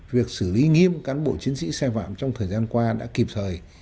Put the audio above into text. việc xử lý nghiêm cán bộ chiến sĩ sai phạm trong thời gian qua đã kịp thời